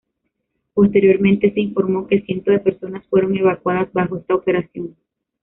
Posteriormente, se informó que cientos de personas fueron evacuadas bajo esta operación.